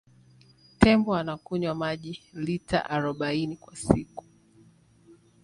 tembo anakunywa maji lita arobaini kwa siku